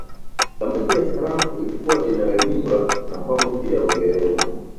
Thamani ya sarafu ilikuwa inalindwa na paundi ya Uingereza